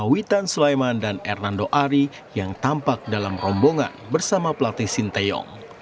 witan sulaiman dan hernando ari yang tampak dalam rombongan bersama pelatih sinteyong